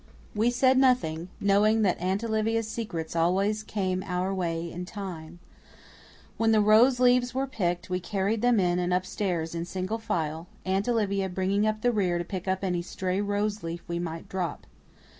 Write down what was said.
We said nothing, knowing that Aunt Olivia's secrets always came our way in time. When the rose leaves were picked, we carried them in and upstairs in single file, Aunt Olivia bringing up the rear to pick up any stray rose leaf we might drop.